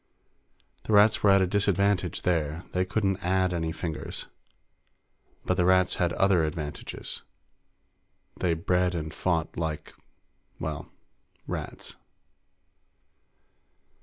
The Rats were at a disadvantage there; they couldn't add any fingers. But the Rats had other advantages they bred and fought like, well, like rats.